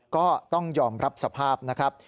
ก็ต้องยอมรับสภาพนะครับ